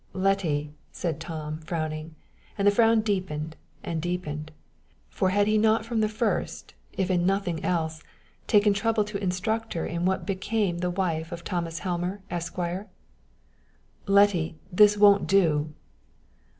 "Letty," said Tom, frowning and the frown deepened and deepened; for had he not from the first, if in nothing else, taken trouble to instruct her in what became the wife of Thomas Helmer, Esq.? "Letty, this won't do!"